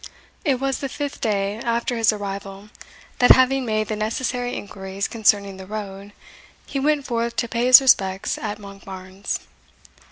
It was the fifth day after his arrival, that, having made the necessary inquiries concerning the road, he went forth to pay his respects at Monkbarns.